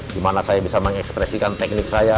dimana saya bisa mengekspresikan teknik saya